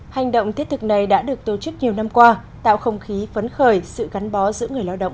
hành động thiết thực này đã được tổ chức nhiều năm qua tạo không khí phấn khởi sự gắn bó giữa người lao động